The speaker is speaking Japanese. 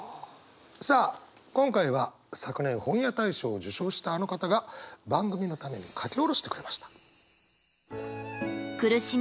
さあ今回は昨年本屋大賞を受賞したあの方が番組のために書き下ろしてくれました。